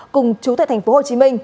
cùng chủ tịch tp hcm